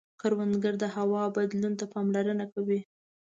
کروندګر د هوا بدلون ته پاملرنه کوي